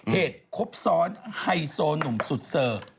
เหตุครบซ้อนไฮโซหนุ่มสุดเซอร์